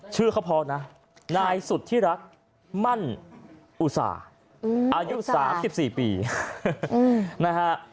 ชื่อเขาพอนะนายสุธิรักมั่นอุตส่าห์อายุ๓๔ปีนะฮะ